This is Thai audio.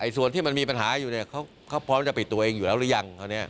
ส่วนที่มันมีปัญหาอยู่เนี่ยเขาพร้อมจะปิดตัวเองอยู่แล้วหรือยัง